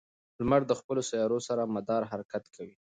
لمر د خپلو سیارو سره مدار حرکت کوي.